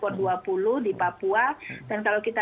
karena kadang kadang kita suka lupa kalau tidak ada yang mengingatkan